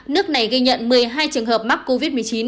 nước này ghi nhận một mươi hai trường hợp mắc covid một mươi chín